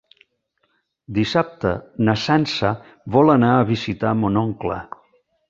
Dissabte na Sança vol anar a visitar mon oncle.